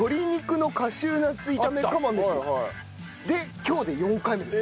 で今日で４回目です。